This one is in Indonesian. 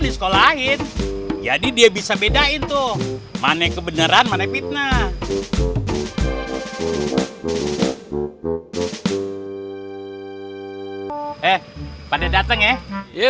disekolahin jadi dia bisa bedain tuh mana kebenaran mana fitnah eh pada datang ya